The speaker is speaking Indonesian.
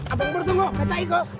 abang pur tunggu betas ikut